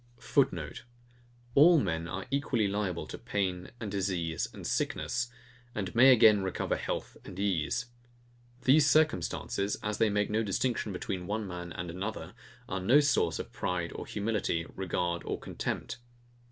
[Footenote: All men are equally liable to pain and disease and sickness; and may again recover health and ease. These circumstances, as they make no distinction between one man and another, are no source of pride or humility, regard or contempt.